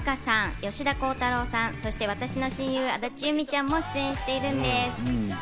松本まりかさん、吉田鋼太郎さん、そして私の親友・安達祐実ちゃんも出演しているんです。